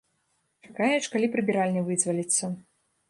Чакаеш, калі прыбіральня вызваліцца.